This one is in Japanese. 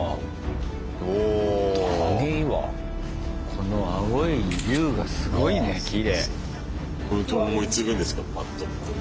この青い龍がすごいねきれい。